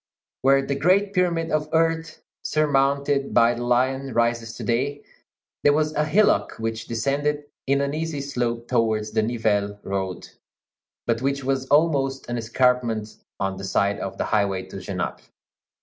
Where the great pyramid of earth, surmounted by the lion, rises to day, there was a hillock which descended in an easy slope towards the Nivelles road, but which was almost an escarpment on the side of the highway to Genappe.